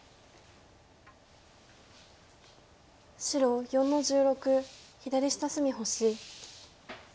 白４の十六左下隅星。